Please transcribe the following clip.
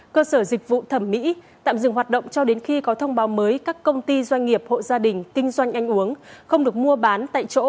cơ sở dịch vụ thẩm mỹ tạm dừng hoạt động cho đến khi có thông báo mới các công ty doanh nghiệp hộ gia đình kinh doanh ăn uống không được mua bán tại chỗ